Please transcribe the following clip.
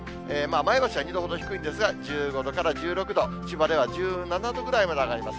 前橋は２度ほど低いんですが、１５度から１６度、千葉では１７度ぐらいまで上がります。